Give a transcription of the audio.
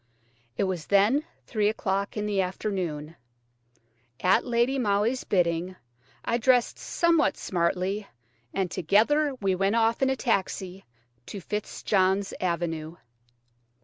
It was then three o'clock in the afternoon. At Lady Molly's bidding, I dressed somewhat smartly, and together we went off in a taxi to Fitzjohn's Avenue.